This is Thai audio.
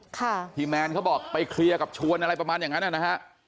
ค่ะพี่แมนเขาบอกไปเคลียร์กับชวนอะไรประมาณอย่างนั้นอ่ะนะฮะ